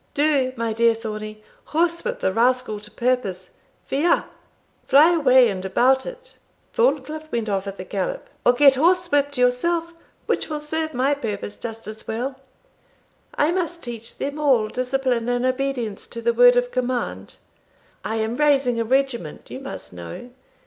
"Do, my dear Thornie; horsewhip the rascal to purpose via fly away, and about it;" Thorncliff went off at the gallop "or get horsewhipt yourself, which will serve my purpose just as well. I must teach them all discipline and obedience to the word of command. I am raising a regiment, you must know.